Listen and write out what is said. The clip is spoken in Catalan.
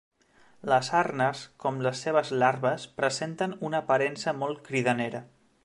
Les arnes, com les seves larves, presenten una aparença molt cridanera.